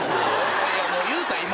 いやいやもう言うた今！